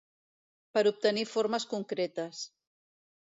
Per obtenir formes concretes.